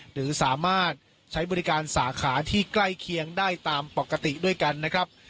หรือสามารถใช้บริการสาขาที่ใกล้เคียงได้ตามปกติด้วยกันนะครับ